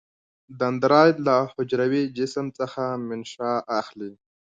دندرایت له حجروي جسم څخه منشا اخلي.